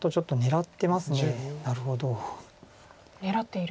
狙っている？